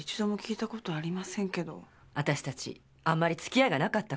わたしたちあんまりつきあいがなかったから。